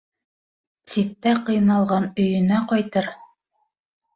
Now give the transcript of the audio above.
Ситтә ҡыйналған өйөнә ҡайтыр